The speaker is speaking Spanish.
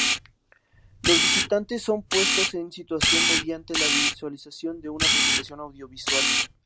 Los visitantes son puestos en situación mediante la visualización de una presentación audiovisual.